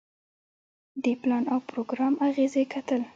د پلان او پروګرام اغیزې کتل.